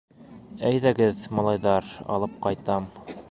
— Әйҙәгеҙ, малайҙар, алып ҡайтам!